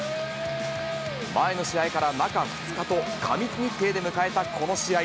前の試合から中２日と、過密日程で迎えたこの試合。